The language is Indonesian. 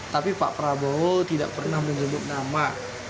tapi pak prabowo tidak pernah menyebut nama